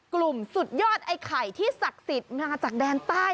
สุดยอดไอ้ไข่ที่ศักดิ์สิทธิ์มาจากแดนใต้